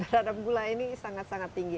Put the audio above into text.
terhadap gula ini sangat sangat tinggi